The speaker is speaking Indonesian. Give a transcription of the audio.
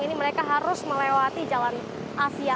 ini mereka harus melewati jalan asia